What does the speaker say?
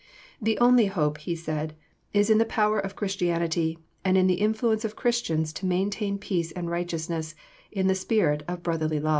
"The only hope," he said, "is in the power of Christianity and in the influence of Christians to maintain peace and righteousness in the spirit of brotherly love."